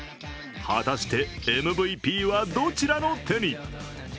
果たしてＭＶＰはどちらの手に。